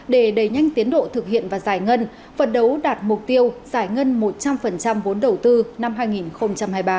để đẩy nhanh tiến độ thực hiện và giải ngân phấn đấu đạt mục tiêu giải ngân một trăm linh vốn đầu tư năm hai nghìn hai mươi ba